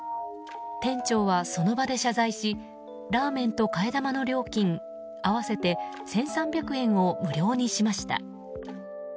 店長はその場で謝罪しラーメンと替え玉の料金合わせて１３００円を無料にしました。